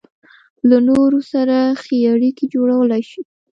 له نورو سره ښې اړيکې جوړولای شي.